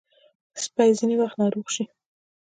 سپي ځینې وخت ناروغ شي.